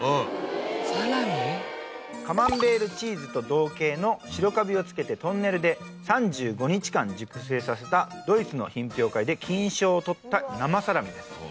カマンベールチーズと同系の白カビを付けてトンネルで３５日間熟成させたドイツの品評会で金賞を取った生サラミです。